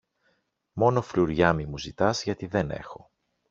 Μόνο φλουριά μη μου ζητάς γιατί δεν έχω.